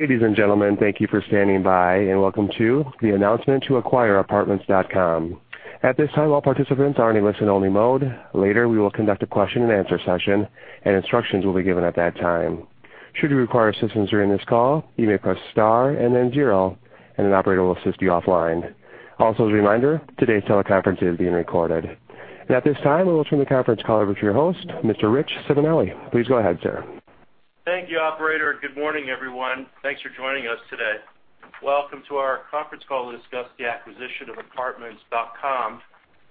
Ladies and gentlemen, thank you for standing by. Welcome to the announcement to acquire Apartments.com.At this time all participants are in listening mode later we will conduct a question and answer session and instructions will be given at that time. At this time, we will turn the conference call over to your host, Mr. Richard Simonelli. Please go ahead, sir. Thank you, operator. Good morning, everyone. Thanks for joining us today. Welcome to our conference call to discuss the acquisition of Apartments.com.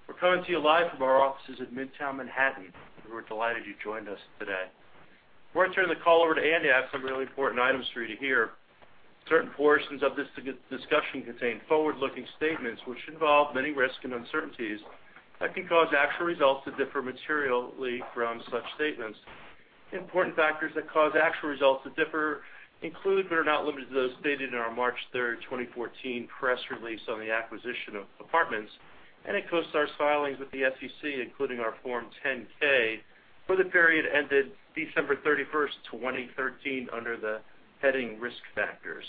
We're coming to you live from our offices at Midtown Manhattan. We're delighted you joined us today. Before I turn the call over to Andy, I have some really important items for you to hear. Certain portions of this discussion contain forward-looking statements which involve many risks and uncertainties that can cause actual results to differ materially from such statements. Important factors that cause actual results to differ include but are not limited to those stated in our March third, 2014 press release on the acquisition of Apartments and in CoStar's filings with the SEC, including our Form 10-K for the period ended December thirty-first, 2013, under the heading Risk Factors.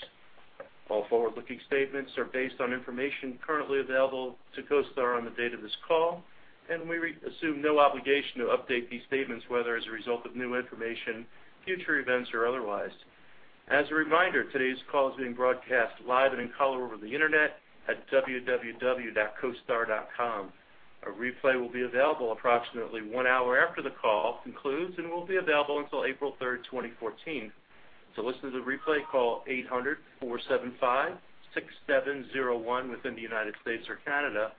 All forward-looking statements are based on information currently available to CoStar on the date of this call, and we assume no obligation to update these statements, whether as a result of new information, future events, or otherwise. As a reminder, today's call is being broadcast live and in color over the Internet at www.costar.com. A replay will be available approximately 1 hour after the call concludes and will be available until April 3, 2014. To listen to the replay, call 800-475-6701 within the United States or Canada,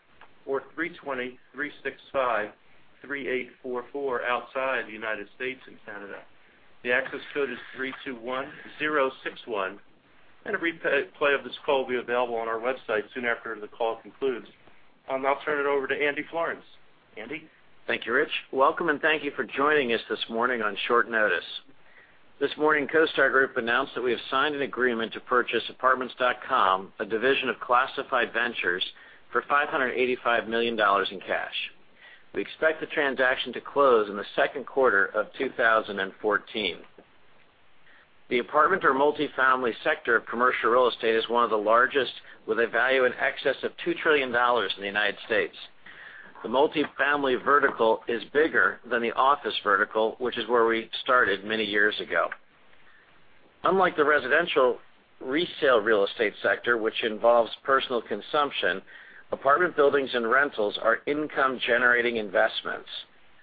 or 323-653-8444 outside the United States and Canada. The access code is 321061, and a replay of this call will be available on our website soon after the call concludes. I'll turn it over to Andrew Florance. Andy? Thank you, Rich. Welcome, and thank you for joining us this morning on short notice. This morning, CoStar Group announced that we have signed an agreement to purchase Apartments.com, a division of Classified Ventures, for $585 million in cash. We expect the transaction to close in the second quarter of 2014. The apartment or multifamily sector of commercial real estate is one of the largest, with a value in excess of $2 trillion in the U.S. The multifamily vertical is bigger than the office vertical, which is where we started many years ago. Unlike the residential resale real estate sector, which involves personal consumption, apartment buildings and rentals are income-generating investments.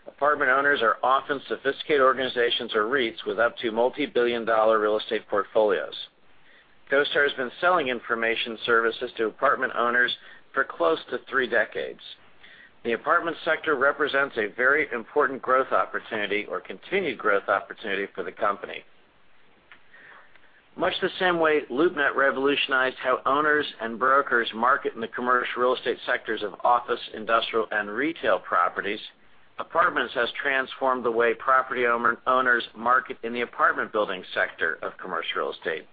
Apartment owners are often sophisticated organizations or REITs with up to multibillion-dollar real estate portfolios. CoStar has been selling information services to apartment owners for close to three decades. The apartment sector represents a very important growth opportunity or continued growth opportunity for the company. Much the same way LoopNet revolutionized how owners and brokers market in the commercial real estate sectors of office, industrial, and retail properties, Apartments has transformed the way property owners market in the apartment building sector of commercial real estate.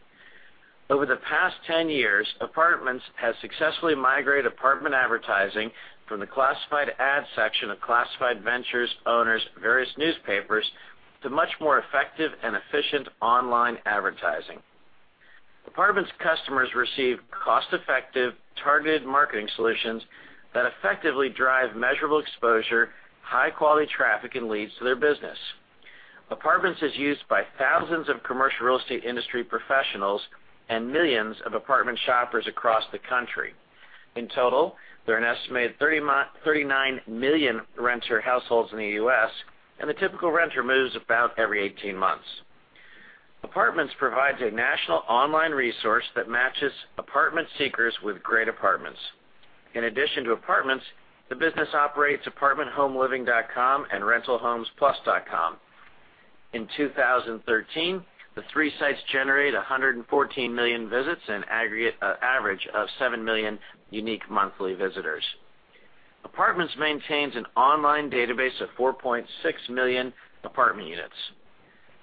Over the past 10 years, Apartments has successfully migrated apartment advertising from the classified ads section of Classified Ventures owners' various newspapers to much more effective and efficient online advertising. Apartments customers receive cost-effective, targeted marketing solutions that effectively drive measurable exposure, high-quality traffic, and leads to their business. Apartments is used by thousands of commercial real estate industry professionals and millions of apartment shoppers across the country. In total, there are an estimated 39 million renter households in the U.S., and the typical renter moves about every 18 months. Apartments provides a national online resource that matches apartment seekers with great apartments. In addition to Apartments, the business operates apartmenthomeliving.com and rentalhomesplus.com. In 2013, the three sites generated 114 million visits and aggregate average of 7 million unique monthly visitors. Apartments maintains an online database of 4.6 million apartment units.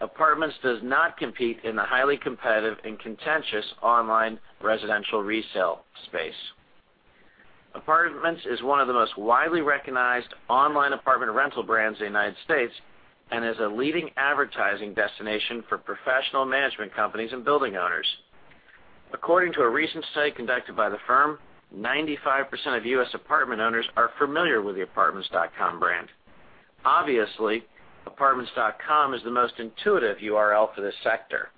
Apartments does not compete in the highly competitive and contentious online residential resale space. Apartments is one of the most widely recognized online apartment rental brands in the U.S. and is a leading advertising destination for professional management companies and building owners. According to a recent study conducted by the firm, 95% of U.S. apartment owners are familiar with the Apartments.com brand. Obviously, Apartments.com is the most intuitive URL for this sector.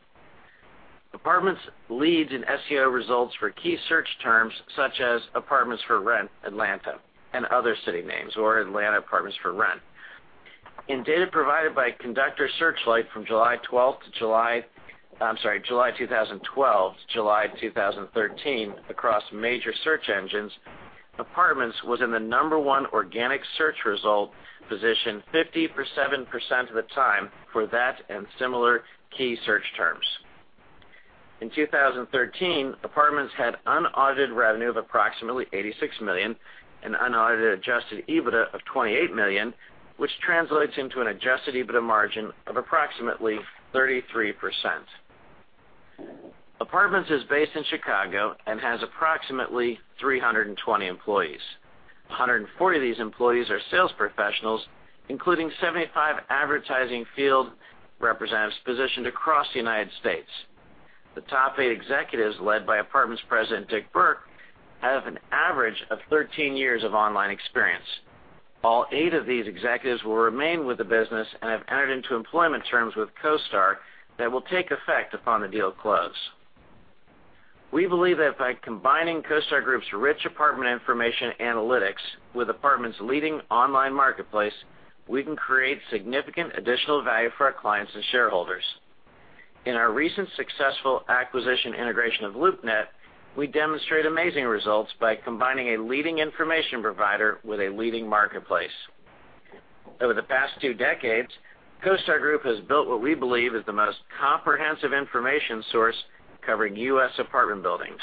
Apartments leads in SEO results for key search terms such as "apartments for rent Atlanta" and other city names or "Atlanta apartments for rent." In data provided by Conductor Searchlight from July 2012 to July 2013 across major search engines, Apartments was in the number one organic search result position 57% of the time for that and similar key search terms. In 2013, Apartments had unaudited revenue of approximately $86 million and unaudited adjusted EBITDA of $28 million, which translates into an adjusted EBITDA margin of approximately 33%. Apartments is based in Chicago and has approximately 320 employees. One hundred and forty of these employees are sales professionals, including 75 advertising field representatives positioned across the U.S. The top eight executives, led by Apartments President Dick Burke, have an average of 13 years of online experience. All eight of these executives will remain with the business and have entered into employment terms with CoStar that will take effect upon the deal close. We believe that by combining CoStar Group's rich apartment information analytics with Apartments' leading online marketplace, we can create significant additional value for our clients and shareholders. In our recent successful acquisition integration of LoopNet, we demonstrate amazing results by combining a leading information provider with a leading marketplace. Over the past two decades, CoStar Group has built what we believe is the most comprehensive information source covering U.S. apartment buildings.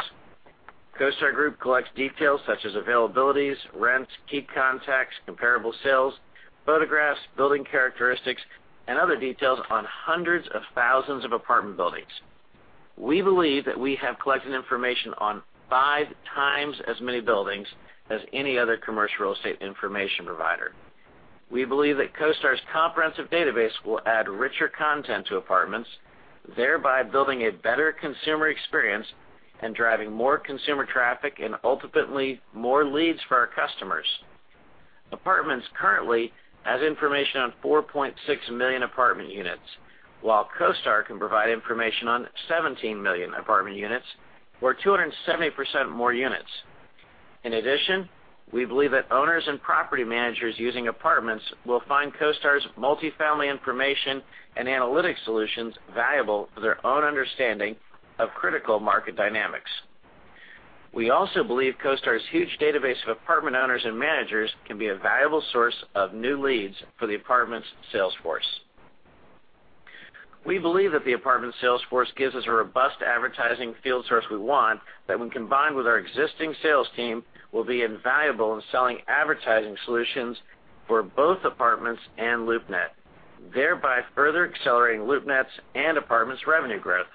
CoStar Group collects details such as availabilities, rents, key contacts, comparable sales, photographs, building characteristics, and other details on hundreds of thousands of apartment buildings. We believe that we have collected information on 5 times as many buildings as any other commercial real estate information provider. We believe that CoStar's comprehensive database will add richer content to Apartments, thereby building a better consumer experience and driving more consumer traffic and ultimately more leads for our customers. Apartments currently has information on 4.6 million apartment units, while CoStar can provide information on 17 million apartment units, or 270% more units. In addition, we believe that owners and property managers using Apartments will find CoStar's multifamily information and analytic solutions valuable for their own understanding of critical market dynamics. We also believe CoStar's huge database of apartment owners and managers can be a valuable source of new leads for the Apartments sales force. We believe that the Apartments sales force gives us a robust advertising field source we want that when combined with our existing sales team, will be invaluable in selling advertising solutions for both Apartments and LoopNet, thereby further accelerating LoopNet's and Apartments' revenue growth.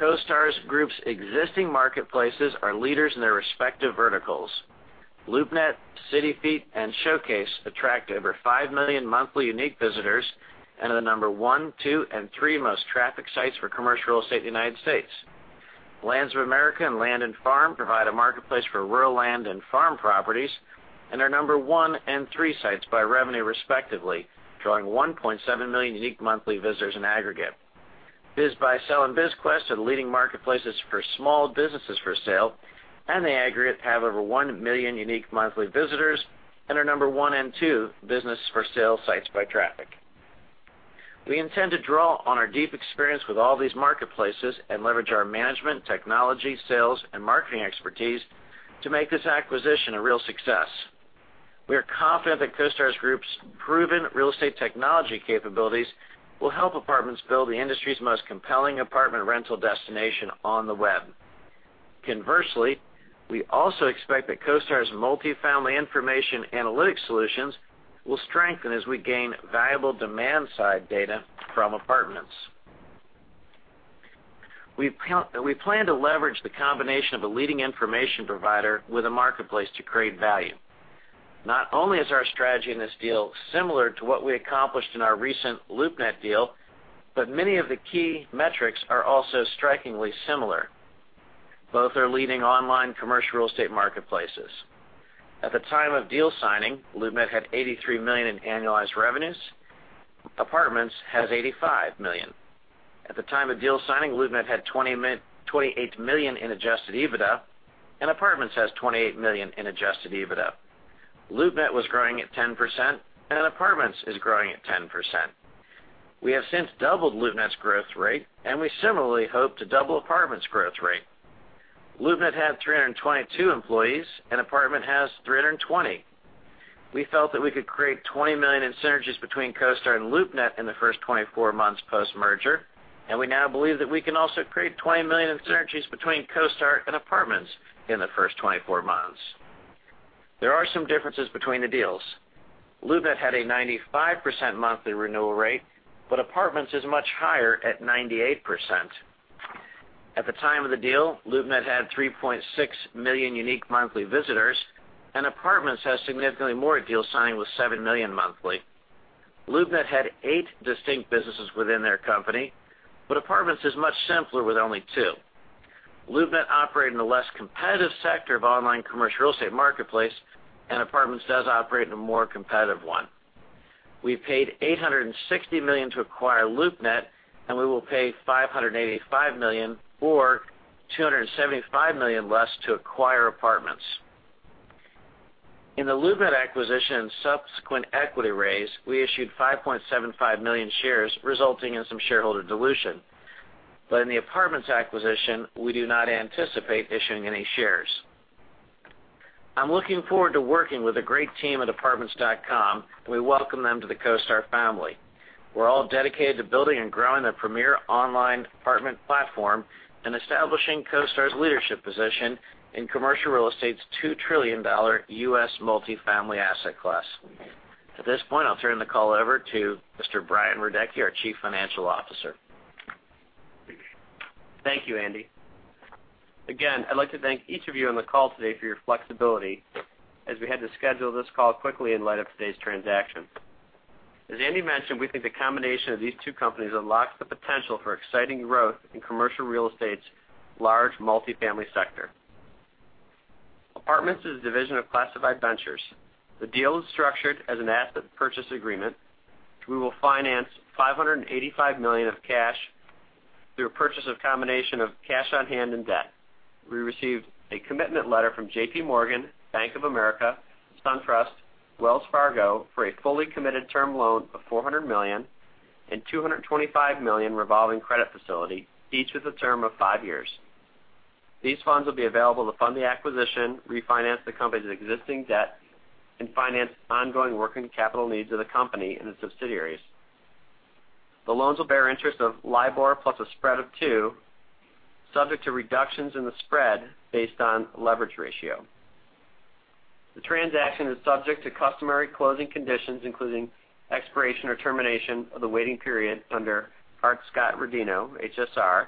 CoStar Group's existing marketplaces are leaders in their respective verticals. LoopNet, Cityfeet, and Showcase attract over 5 million monthly unique visitors and are the number 1, 2, and 3 most trafficked sites for commercial real estate in the United States. Lands of America and Land and Farm provide a marketplace for rural land and farm properties, and are number 1 and 3 sites by revenue respectively, drawing 1.7 million unique monthly visitors in aggregate. BizBuySell and BizQuest are the leading marketplaces for small businesses for sale. They aggregate to have over 1 million unique monthly visitors and are number 1 and 2 business-for-sale sites by traffic. We intend to draw on our deep experience with all these marketplaces and leverage our management, technology, sales, and marketing expertise to make this acquisition a real success. We are confident that CoStar Group's proven real estate technology capabilities will help Apartments build the industry's most compelling apartment rental destination on the web. Conversely, we also expect that CoStar's multifamily information analytics solutions will strengthen as we gain valuable demand-side data from Apartments. We plan to leverage the combination of a leading information provider with a marketplace to create value. Not only is our strategy in this deal similar to what we accomplished in our recent LoopNet deal, many of the key metrics are also strikingly similar. Both are leading online commercial real estate marketplaces. At the time of deal signing, LoopNet had $83 million in annualized revenues. Apartments has $85 million. At the time of deal signing, LoopNet had $28 million in adjusted EBITDA, and Apartments has $28 million in adjusted EBITDA. LoopNet was growing at 10%, and Apartments is growing at 10%. We have since doubled LoopNet's growth rate, and we similarly hope to double Apartments' growth rate. LoopNet had 322 employees, and Apartments has 320. We felt that we could create $20 million in synergies between CoStar and LoopNet in the first 24 months post-merger, and we now believe that we can also create $20 million in synergies between CoStar and Apartments in the first 24 months. There are some differences between the deals. LoopNet had a 95% monthly renewal rate, Apartments is much higher at 98%. At the time of the deal, LoopNet had 3.6 million unique monthly visitors, Apartments has significantly more at deal signing with 7 million monthly. LoopNet had eight distinct businesses within their company, Apartments is much simpler with only two. LoopNet operate in a less competitive sector of online commercial real estate marketplace, Apartments does operate in a more competitive one. We paid $860 million to acquire LoopNet, we will pay $585 million, or $275 million less, to acquire Apartments. In the LoopNet acquisition and subsequent equity raise, we issued 5.75 million shares, resulting in some shareholder dilution. In the Apartments acquisition, we do not anticipate issuing any shares. I'm looking forward to working with the great team at apartments.com, we welcome them to the CoStar family. We're all dedicated to building and growing the premier online apartment platform and establishing CoStar's leadership position in commercial real estate's $2 trillion U.S. multifamily asset class. At this point, I'll turn the call over to Mr. Brian Radecki, our Chief Financial Officer. Thank you, Andy. Again, I'd like to thank each of you on the call today for your flexibility as we had to schedule this call quickly in light of today's transaction. As Andy mentioned, we think the combination of these two companies unlocks the potential for exciting growth in commercial real estate's large multifamily sector. Apartments is a division of Classified Ventures. The deal is structured as an asset purchase agreement. We will finance $585 million of cash through a purchase of combination of cash on hand and debt. We received a commitment letter from JPMorgan, Bank of America, SunTrust, Wells Fargo for a fully committed term loan of $400 million and $225 million revolving credit facility, each with a term of 5 years. These funds will be available to fund the acquisition, refinance the company's existing debt, and finance ongoing working capital needs of the company and its subsidiaries. The loans will bear interest of LIBOR plus a spread of 2, subject to reductions in the spread based on leverage ratio. The transaction is subject to customary closing conditions, including expiration or termination of the waiting period under Hart-Scott-Rodino, HSR,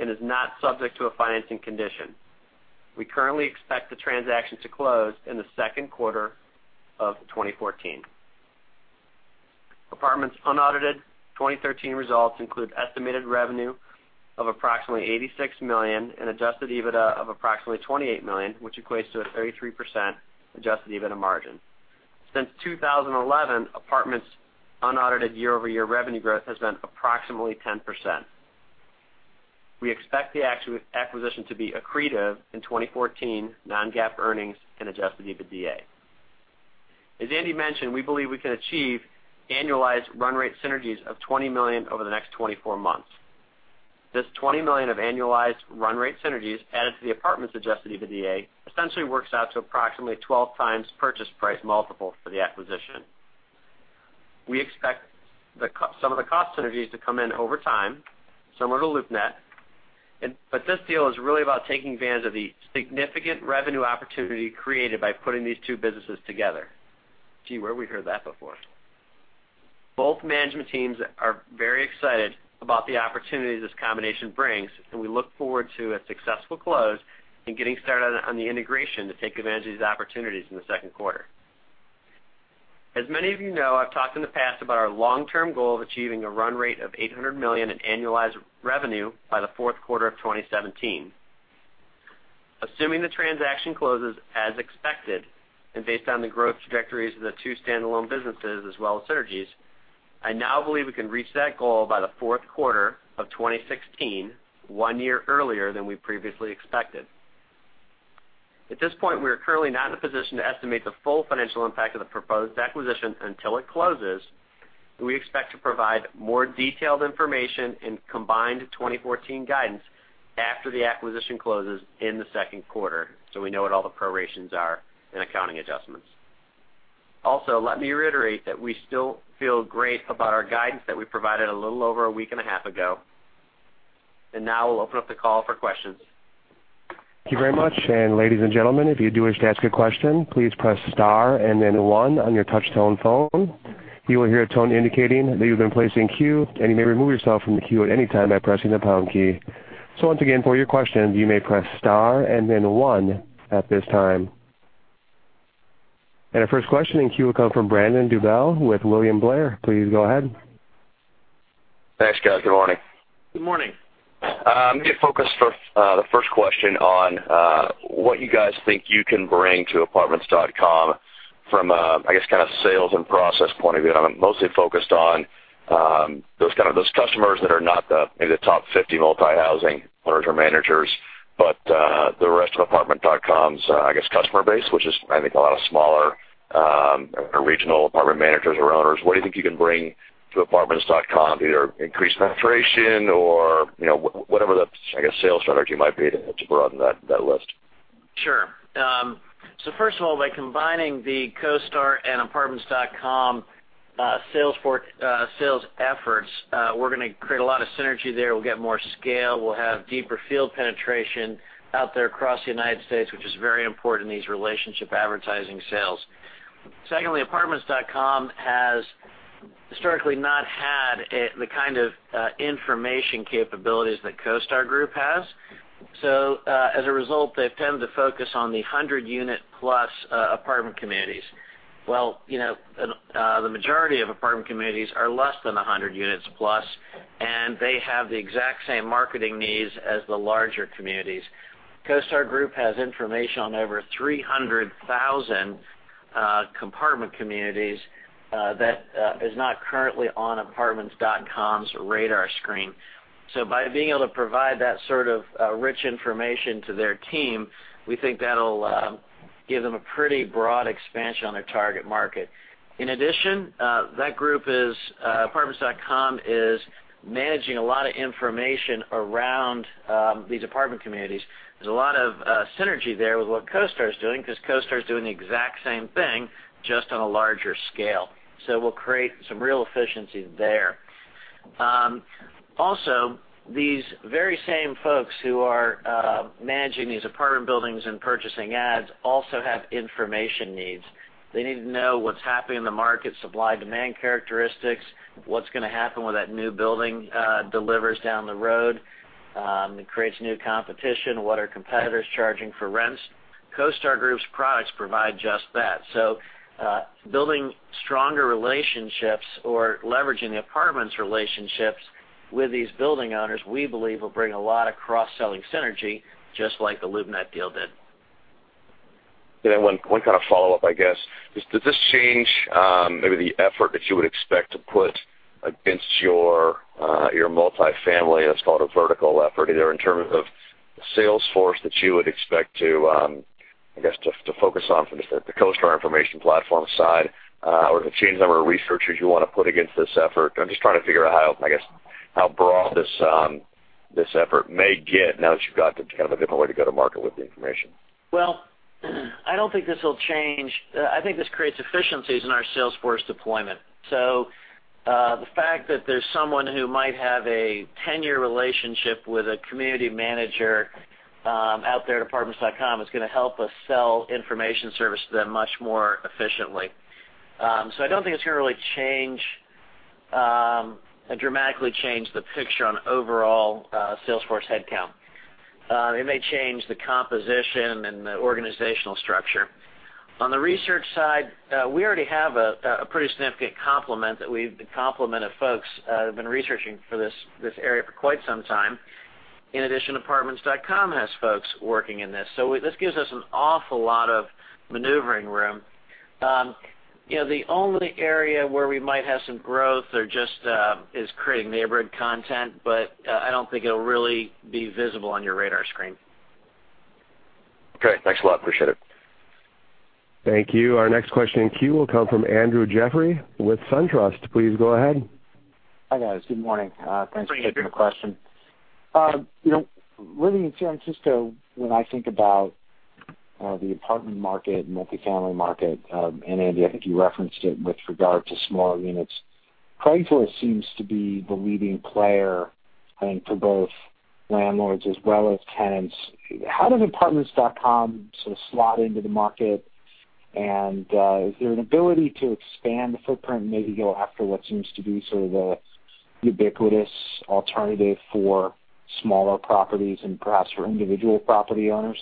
and is not subject to a financing condition. We currently expect the transaction to close in the second quarter of 2014. Apartments' unaudited 2013 results include estimated revenue of approximately $86 million and adjusted EBITDA of approximately $28 million, which equates to a 33% adjusted EBITDA margin. Since 2011, Apartments' unaudited year-over-year revenue growth has been approximately 10%. We expect the acquisition to be accretive in 2014 non-GAAP earnings and adjusted EBITDA. As Andy mentioned, we believe we can achieve annualized run rate synergies of $20 million over the next 24 months. This $20 million of annualized run rate synergies added to the Apartments adjusted EBITDA essentially works out to approximately 12 times purchase price multiple for the acquisition. We expect some of the cost synergies to come in over time, similar to LoopNet. But this deal is really about taking advantage of the significant revenue opportunity created by putting these two businesses together. Gee, where have we heard that before? Both management teams are very excited about the opportunities this combination brings, and we look forward to a successful close and getting started on the integration to take advantage of these opportunities in the second quarter. As many of you know, I've talked in the past about our long-term goal of achieving a run rate of $800 million in annualized revenue by the fourth quarter of 2017. Assuming the transaction closes as expected and based on the growth trajectories of the two standalone businesses as well as synergies, I now believe we can reach that goal by the fourth quarter of 2016, one year earlier than we previously expected. At this point, we are currently not in a position to estimate the full financial impact of the proposed acquisition until it closes. We expect to provide more detailed information in combined 2014 guidance after the acquisition closes in the second quarter, so we know what all the prorations are and accounting adjustments. Also, let me reiterate that we still feel great about our guidance that we provided a little over a week and a half ago. Now we'll open up the call for questions. Thank you very much. And ladies and gentlemen, if you do wish to ask a question, please press star and then one on your touch-tone phone. You will hear a tone indicating that you've been placed in queue, and you may remove yourself from the queue at any time by pressing the pound key. So once again, for your questions, you may press star and then one at this time. And our first question in queue will come from Brandon Dobell with William Blair. Please go ahead. Thanks, guys. Good morning. Good morning. I'm gonna focus for the first question on what you guys think you can bring to Apartments.com from, I guess kind of sales and process point of view. I'm mostly focused on those kind of, those customers that are not the, maybe the top 50 multi-housing owners or managers, but the rest of Apartments.com's, I guess, customer base, which is I think a lot of smaller, regional apartment managers or owners. What do you think you can bring to Apartments.com, either increased penetration or, you know, whatever the, I guess, sales strategy might be to broaden that list? Sure. First of all, by combining the CoStar and apartments.com sales force, sales efforts, we're going to create a lot of synergy there. We'll get more scale. We'll have deeper field penetration out there across the U.S., which is very important in these relationship advertising sales. Secondly, apartments.com has historically not had the kind of information capabilities that CoStar Group has. As a result, they've tended to focus on the 100 unit plus apartment communities. Well, you know, the majority of apartment communities are less than 100 units plus, and they have the exact same marketing needs as the larger communities. CoStar Group has information on over 300,000 apartment communities that is not currently on apartments.com's radar screen. By being able to provide that sort of rich information to their team, we think that'll give them a pretty broad expansion on their target market. In addition, that group is Apartments.com is managing a lot of information around these apartment communities. There's a lot of synergy there with what CoStar is doing because CoStar is doing the exact same thing, just on a larger scale. We'll create some real efficiencies there. Also, these very same folks who are managing these apartment buildings and purchasing ads also have information needs. They need to know what's happening in the market, supply, demand characteristics, what's gonna happen when that new building delivers down the road and creates new competition. What are competitors charging for rents? CoStar Group's products provide just that. Building stronger relationships or leveraging the apartments relationships with these building owners, we believe will bring a lot of cross-selling synergy, just like the LoopNet deal did. Yeah. One kind of follow-up, I guess. Does this change, maybe the effort that you would expect to put against your multifamily, let's call it a vertical effort either in terms of the sales force that you would expect to, I guess, to focus on from the CoStar information platform side? Or does it change the number of researchers you wanna put against this effort? I'm just trying to figure out how, I guess, how broad this effort may get now that you've got kind of a different way to go to market with the information. I don't think this will change. I think this creates efficiencies in our sales force deployment. The fact that there's someone who might have a tenure relationship with a community manager out there at apartments.com is gonna help us sell information service to them much more efficiently. I don't think it's gonna really change dramatically change the picture on overall sales force headcount. It may change the composition and the organizational structure. On the research side, we already have a pretty significant complement. The complement of folks have been researching for this area for quite some time. In addition, apartments.com has folks working in this. This gives us an awful lot of maneuvering room. You know, the only area where we might have some growth or just is creating neighborhood content, but I don't think it'll really be visible on your radar screen. Okay. Thanks a lot. Appreciate it. Thank you. Our next question in queue will come from Andrew Jeffrey with SunTrust. Please go ahead. Hi, guys. Good morning. Thanks for taking the question. Good morning, Andrew. You know, living in San Francisco, when I think about the apartment market, multifamily market, and Andy, I think you referenced it with regard to smaller units, Craigslist seems to be the leading player, I think, for both landlords as well as tenants. How does apartments.com sort of slot into the market? Is there an ability to expand the footprint and maybe go after what seems to be sort of the ubiquitous alternative for smaller properties and perhaps for individual property owners?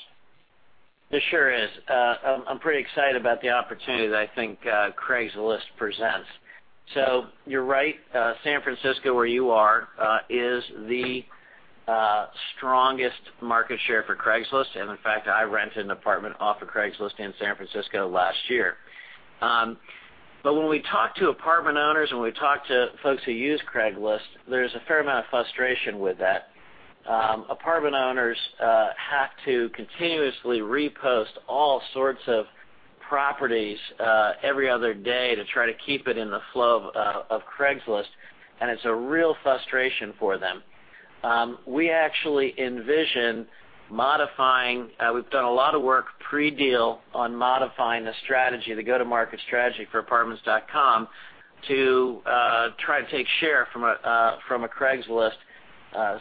There sure is. I'm pretty excited about the opportunity that I think Craigslist presents. You're right. San Francisco, where you are, is the strongest market share for Craigslist. In fact, I rented an apartment off of Craigslist in San Francisco last year. When we talk to apartment owners and we talk to folks who use Craigslist, there's a fair amount of frustration with that. Apartment owners have to continuously repost all sorts of properties every other day to try to keep it in the flow of Craigslist, and it's a real frustration for them. We actually envision modifying. We've done a lot of work pre-deal on modifying the strategy, the go-to-market strategy for Apartments.com to try to take share from a Craigslist,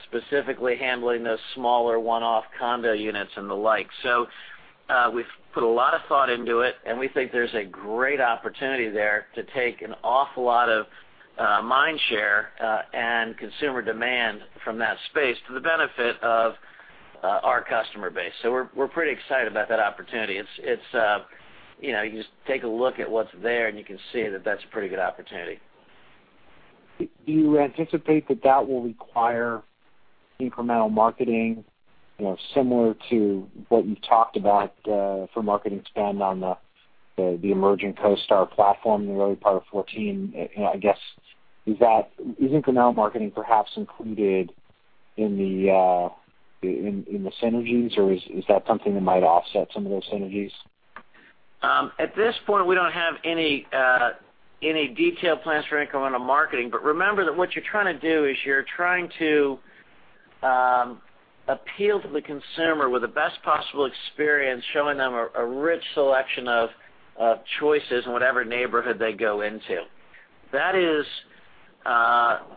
specifically handling those smaller one-off condo units and the like. We've put a lot of thought into it, and we think there's a great opportunity there to take an awful lot of mind share and consumer demand from that space to the benefit of our customer base. We're pretty excited about that opportunity. It's, you know, you just take a look at what's there, and you can see that that's a pretty good opportunity. Do you anticipate that that will require incremental marketing, you know, similar to what you've talked about, for marketing spend on the emerging CoStar platform in the early part of 2014? You know, I guess, Is incremental marketing perhaps included in the synergies, or is that something that might offset some of those synergies? At this point, we don't have any detailed plans for incremental marketing. Remember that what you're trying to do is you're trying to appeal to the consumer with the best possible experience, showing them a rich selection of choices in whatever neighborhood they go into. That is,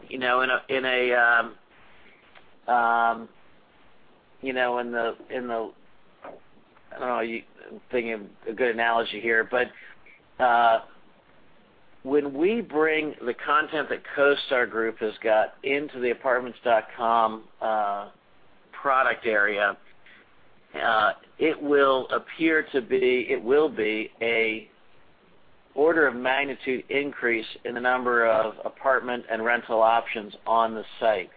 you know, in a, in a, you know, in the, in the I don't know, you I'm thinking of a good analogy here. When we bring the content that CoStar Group has got into the apartments.com product area, it will be a order of magnitude increase in the number of apartment and rental options on the site,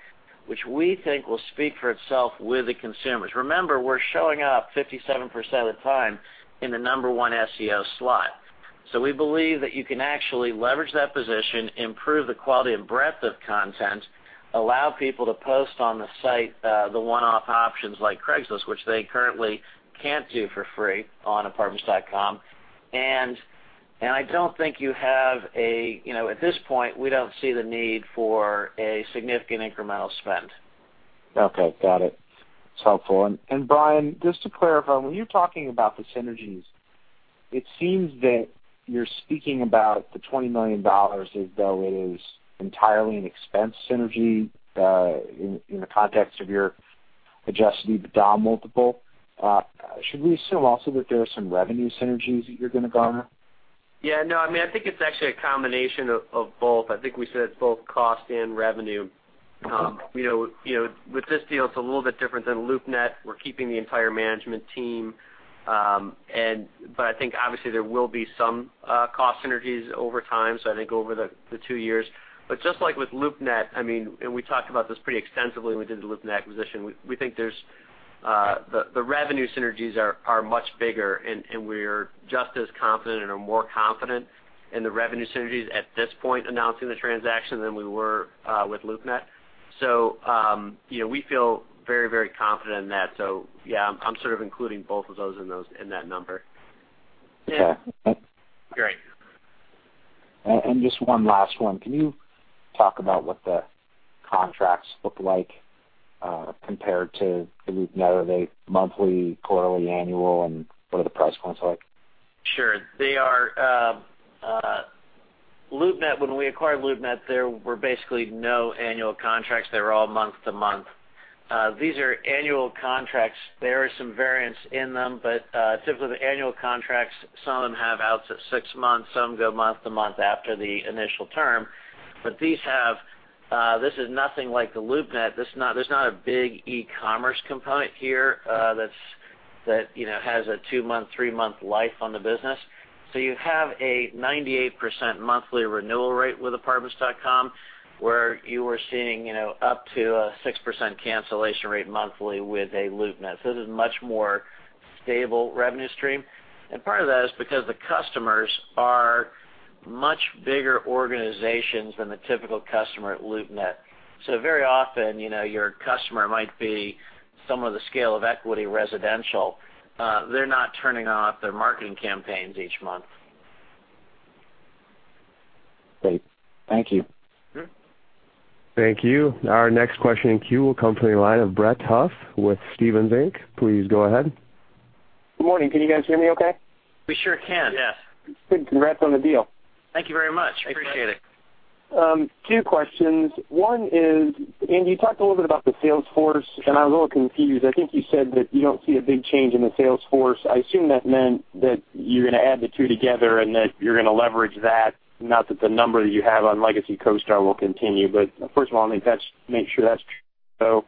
which we think will speak for itself with the consumers. Remember, we're showing up 57% of the time in the number 1 SEO slot. We believe that you can actually leverage that position, improve the quality and breadth of content, allow people to post on the site, the one-off options like Craigslist, which they currently can't do for free on apartments.com. I don't think you have, you know, at this point, we don't see the need for a significant incremental spend. Okay. Got it. It's helpful. Brian, just to clarify, when you're talking about the synergies, it seems that you're speaking about the $20 million as though it is entirely an expense synergy, in the context of your adjusted EBITDA multiple. Should we assume also that there are some revenue synergies that you're gonna garner? Yeah. No, I mean, I think it's actually a combination of both. I think we said both cost and revenue. You know, you know, with this deal, it's a little bit different than LoopNet. We're keeping the entire management team. I think obviously there will be some cost synergies over time, so I think over the 2 years. Just like with LoopNet, I mean, we talked about this pretty extensively when we did the LoopNet acquisition, we think there's the revenue synergies are much bigger, and we're just as confident or more confident in the revenue synergies at this point announcing the transaction than we were with LoopNet. You know, we feel very, very confident in that. Yeah, I'm sort of including both of those in that number. Okay. Great. Just one last one. Can you talk about what the contracts look like compared to LoopNet? Are they monthly, quarterly, annual, what are the price points like? Sure. They are LoopNet, when we acquired LoopNet, there were basically no annual contracts. They were all month to month. These are annual contracts. There are some variance in them, but typically the annual contracts, some of them have outs at 6 months, some go month to month after the initial term. These have, this is nothing like the LoopNet. There's not a big e-commerce component here, that's, that, you know, has a 2-month, 3-month life on the business. You have a 98% monthly renewal rate with Apartments.com, where you were seeing, you know, up to a 6% cancellation rate monthly with a LoopNet. This is much more stable revenue stream. Part of that is because the customers are much bigger organizations than the typical customer at LoopNet. Very often, you know, your customer might be somewhere the scale of Equity Residential. They're not turning off their marketing campaigns each month. Great. Thank you. Thank you. Our next question in queue will come from the line of Brett Huff with Stephens Inc. Please go ahead. Good morning. Can you guys hear me okay? We sure can. Yes. Good. Congrats on the deal. Thank you very much. Appreciate it. 2 questions. 1 is, you talked a little bit about the sales force, and I was a little confused. I think you said that you don't see a big change in the sales force. I assume that meant that you're gonna add the 2 together and that you're gonna leverage that, not that the number you have on legacy CoStar will continue. First of all, I think that's Make sure that's true.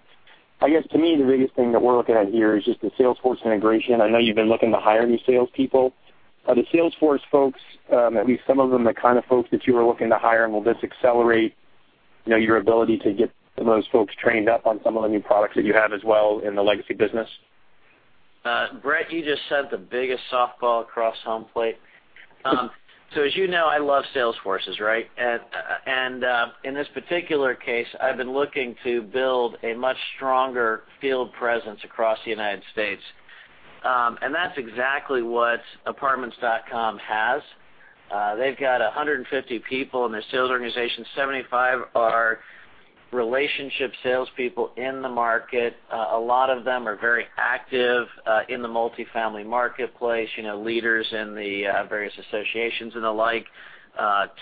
I guess to me, the biggest thing that we're looking at here is just the sales force integration. I know you've been looking to hire new salespeople. Are the sales force folks, at least some of them, the kind of folks that you were looking to hire, and will this accelerate, you know, your ability to get some of those folks trained up on some of the new products that you have as well in the legacy business? Brett, you just said the biggest softball across home plate. As you know, I love sales forces, right? In this particular case, I've been looking to build a much stronger field presence across the United States. That's exactly what Apartments.com has. They've got 150 people in their sales organization. 75 are relationship salespeople in the market. A lot of them are very active in the multifamily marketplace, you know, leaders in the various associations and the like.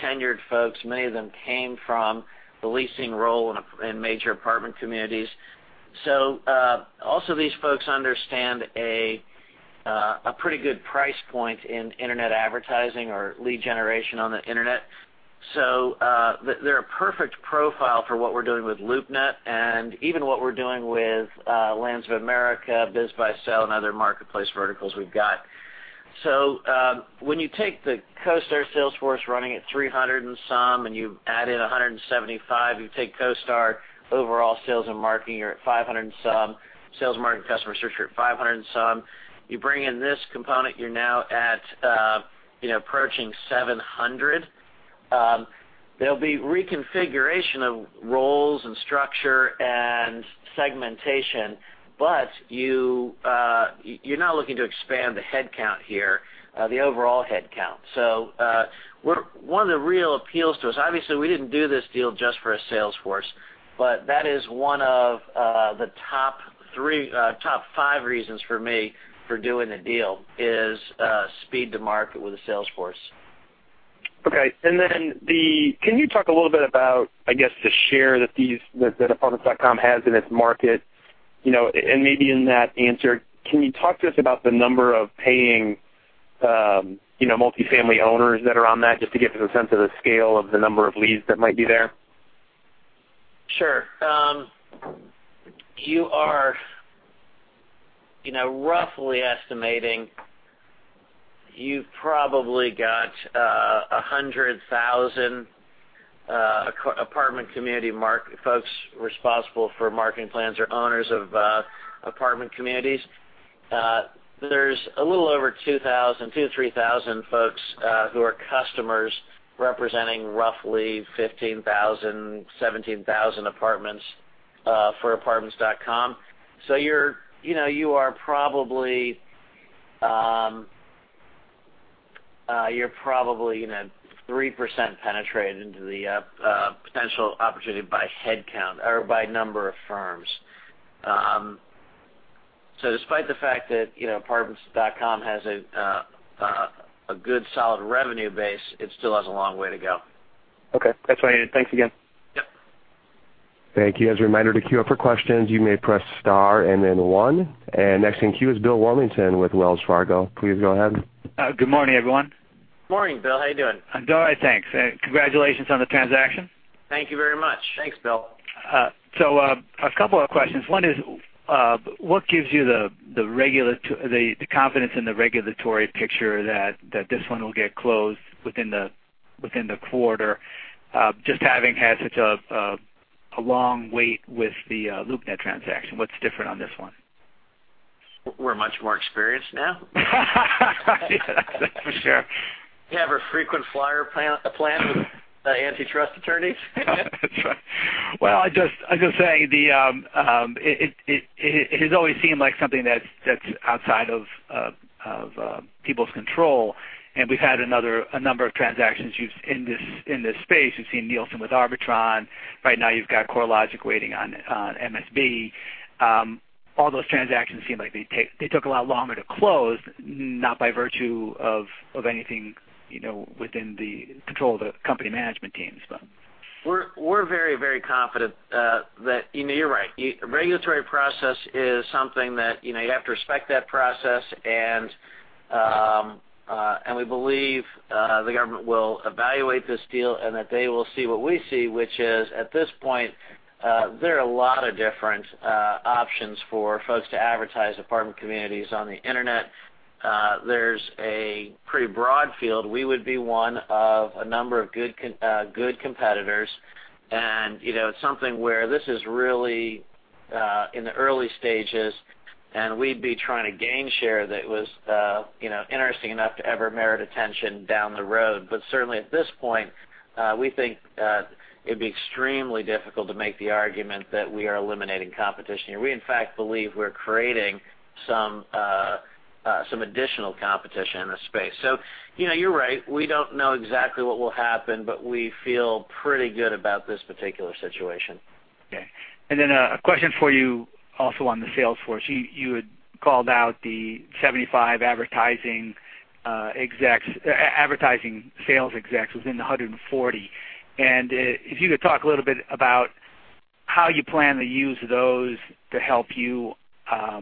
Tenured folks, many of them came from the leasing role in major apartment communities. Also these folks understand a pretty good price point in internet advertising or lead generation on the internet. They're a perfect profile for what we're doing with LoopNet and even what we're doing with Lands of America, BizBuySell and other marketplace verticals we've got. When you take the CoStar sales force running at 300 and some, and you add in 175, you take CoStar overall sales and marketing, you're at 500 and some, sales marketing customer search, you're at 500 and some. You bring in this component, you're now at, you know, approaching 700. There'll be reconfiguration of roles and structure and segmentation, but you're not looking to expand the headcount here, the overall headcount. One of the real appeals to us, obviously, we didn't do this deal just for a sales force, but that is one of the top three, top five reasons for me for doing the deal is speed to market with a sales force. Okay. Can you talk a little bit about, I guess, the share that Apartments.com has in its market? You know, and maybe in that answer, can you talk to us about the number of paying, you know, multifamily owners that are on that, just to get a sense of the scale of the number of leads that might be there? You are, you know, roughly estimating you've probably got 100,000 apartment community folks responsible for marketing plans or owners of apartment communities. There's a little over 2,000-3,000 folks who are customers representing roughly 15,000-17,000 apartments for Apartments.com. You're, you know, you're probably, you know, 3% penetrated into the potential opportunity by headcount or by number of firms. Despite the fact that, you know, Apartments.com has a good solid revenue base, it still has a long way to go. Okay. That's what I needed. Thanks again. Thank you. As a reminder, to queue up for questions, you may press star and then one. Next in queue is William Warmington with Wells Fargo. Please go ahead. Good morning, everyone. Morning, Bill. How you doing? I'm doing all right, thanks. Congratulations on the transaction. Thank you very much. Thanks, Bill. A couple of questions. One is, what gives you the confidence in the regulatory picture that this one will get closed within the quarter, just having had such a long wait with the LoopNet transaction? What's different on this one? We're much more experienced now. Yeah, that's for sure. We have a frequent flyer plan with the antitrust attorneys. That's right. Well, I just, I just say the It has always seemed like something that's outside of people's control, and we've had a number of transactions use in this, in this space. We've seen Nielsen with Arbitron. Right now you've got CoreLogic waiting on MSB. All those transactions seem like They took a lot longer to close, not by virtue of anything, you know, within the control of the company management teams, but. We're very, very confident that You know, you're right. Regulatory process is something that, you know, you have to respect that process. We believe the government will evaluate this deal and that they will see what we see, which is, at this point, there are a lot of different options for folks to advertise apartment communities on the internet. There's a pretty broad field. We would be one of a number of good competitors. You know, it's something where this is really in the early stages, and we'd be trying to gain share that was, you know, interesting enough to ever merit attention down the road. Certainly at this point, we think it'd be extremely difficult to make the argument that we are eliminating competition here. We in fact believe we're creating some additional competition in this space. You know, you're right. We don't know exactly what will happen, but we feel pretty good about this particular situation. Okay. A question for you also on the sales force. You had called out the 75 advertising sales execs within the 140. If you could talk a little bit about how you plan to use those to help you,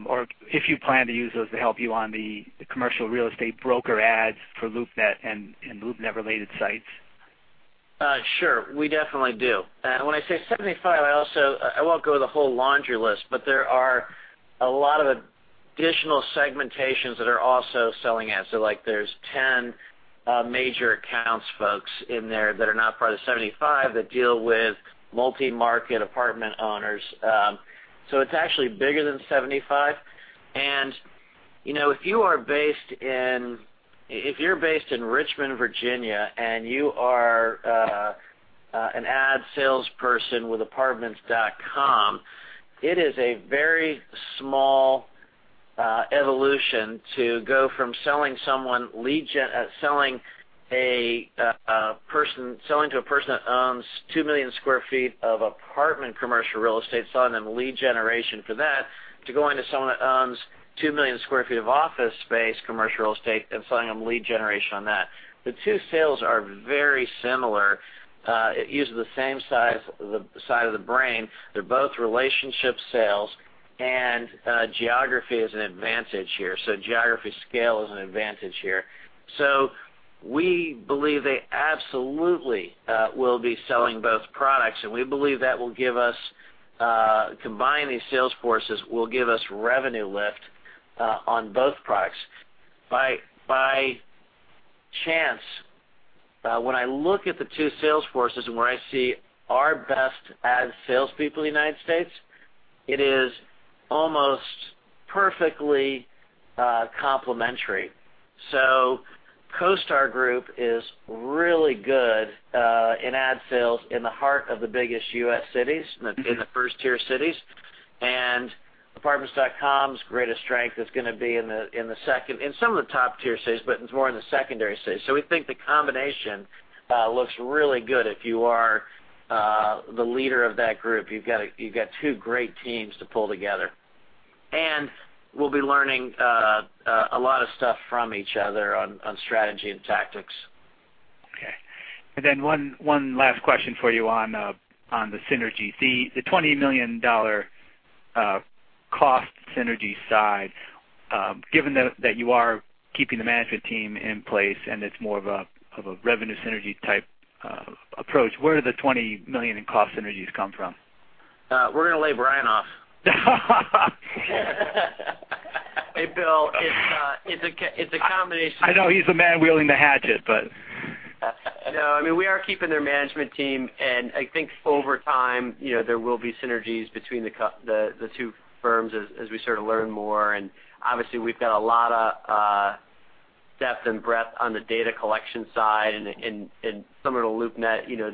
or if you plan to use those to help you on the commercial real estate broker ads for LoopNet and LoopNet-related sites. Sure. We definitely do. When I say 75, I won't go to the whole laundry list, but there are a lot of additional segmentations that are also selling ads. Like there's 10 major accounts folks in there that are not part of the 75 that deal with multi-market apartment owners. It's actually bigger than 75. You know, if you are based in Richmond, Virginia, and you are an ad salesperson with apartments.com, it is a very small evolution to go from selling someone lead generation to a person that owns 2 million sq ft of apartment commercial real estate, selling them lead generation for that, to going to someone that owns 2 million sq ft of office space commercial real estate and selling them lead generation on that. The two sales are very similar. It uses the same size, the side of the brain. They're both relationship sales. Geography is an advantage here. Geography scale is an advantage here. We believe they absolutely will be selling both products, and we believe that will give us combining sales forces will give us revenue lift on both products. By chance, when I look at the two sales forces and where I see our best ad salespeople in the U.S., it is almost perfectly complementary. CoStar Group is really good in ad sales in the heart of the biggest U.S. cities. in the first-tier cities. apartments.com's greatest strength is gonna be in some of the top-tier cities, but it's more in the secondary cities. We think the combination looks really good if you are the leader of that group. You've got two great teams to pull together. We'll be learning a lot of stuff from each other on strategy and tactics. Okay. One last question for you on the synergy. The $20 million cost synergy side, given that you are keeping the management team in place, and it's more of a revenue synergy-type approach, where do the $20 million in cost synergies come from? We're gonna lay Brian off. Hey, Bill, it's a combination. I know he's the man wielding the hatchet. No, I mean, we are keeping their management team. I think over time, you know, there will be synergies between the two firms as we sort of learn more. Obviously, we've got a lot of depth and breadth on the data collection side. Similar to LoopNet, you know,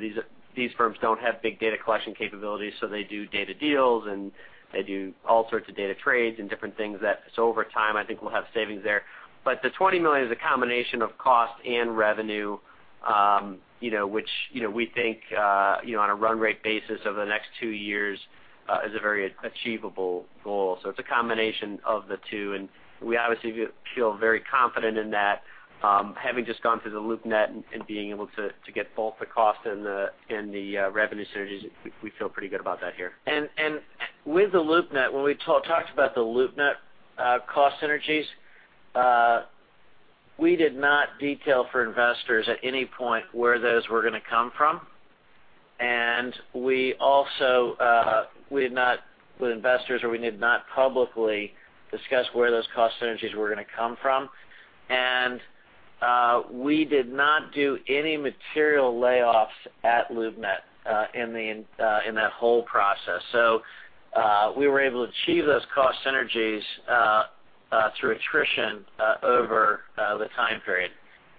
these firms don't have big data collection capabilities, so they do data deals, and they do all sorts of data trades and different things that. Over time, I think we'll have savings there. The $20 million is a combination of cost and revenue, you know, which, you know, we think, you know, on a run rate basis over the next 2 years, is a very achievable goal. It's a combination of the 2, and we obviously feel very confident in that. Having just gone through the LoopNet and being able to get both the cost and the revenue synergies, we feel pretty good about that here. With the LoopNet, when we talked about the LoopNet, cost synergies, we did not detail for investors at any point where those were gonna come from. We also, we did not with investors, or we did not publicly discuss where those cost synergies were gonna come from. We did not do any material layoffs at LoopNet, in the, in that whole process. We were able to achieve those cost synergies, through attrition, over the time period.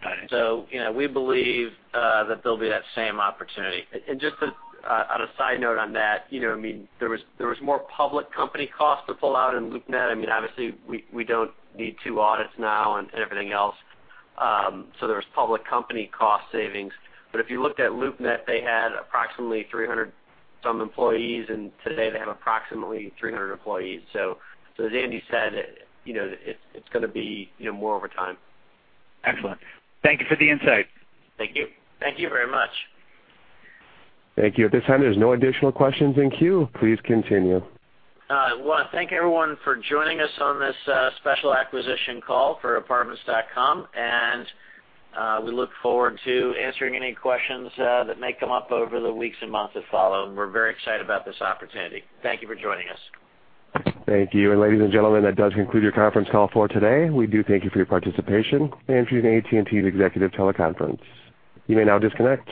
Got it. You know, we believe that there'll be that same opportunity. Just on a side note on that, you know, there was more public company cost to pull out in LoopNet. Obviously we don't need two audits now and everything else. There was public company cost savings. If you looked at LoopNet, they had approximately 300 some employees, and today they have approximately 300 employees. As Andy said, you know, it's gonna be, you know, more over time. Excellent. Thank you for the insight. Thank you. Thank you very much. Thank you. At this time, there's no additional questions in queue. Please continue. All right. Well, thank you, everyone, for joining us on this special acquisition call for apartments.com, and we look forward to answering any questions that may come up over the weeks and months that follow. We're very excited about this opportunity. Thank you for joining us. Thank you. Ladies and gentlemen, that does conclude your conference call for today. We do thank you for your participation and for using AT&T's executive teleconference. You may now disconnect.